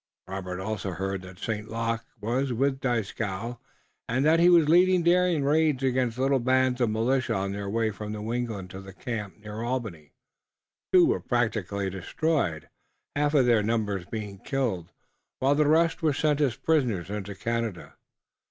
Robert also heard that St. Luc was with Dieskau, and that he was leading daring raids against little bands of militia on their way from New England to the camp near Albany. Two were practically destroyed, half of their numbers being killed, while the rest were sent as prisoners into Canada.